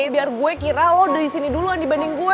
biar gua kira lu udah disini duluan dibanding gua